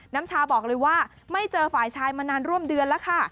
น้ำชาบอกเลยว่าไม่เจอฝ่ายชายมานานร่วมเดือนแล้วค่ะ